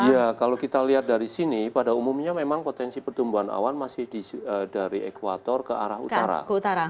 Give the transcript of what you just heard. iya kalau kita lihat dari sini pada umumnya memang potensi pertumbuhan awan masih dari ekwator ke arah utara